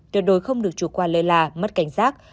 tuyệt đối không được trụ qua lơi là mất cảnh sát